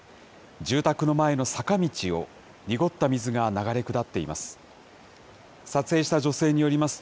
住宅の前の坂道を、濁った水が流れ下っています。